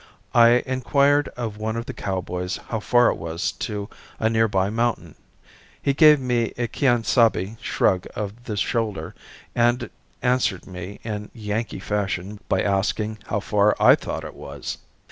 I inquired of one of the cowboys how far it was to a near by mountain. He gave a quien sabe shrug of the shoulder and answered me in Yankee fashion by asking how far I thought it was.